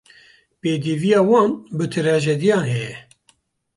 Pêdiviya wan bi trajediyan heye.